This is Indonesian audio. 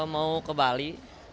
mau ke bali